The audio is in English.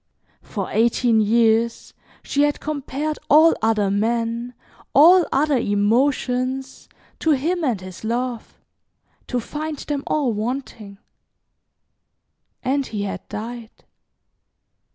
For eighteen years she had compared all other men, all other emotions to him and his love, to find them all wanting. And he had died.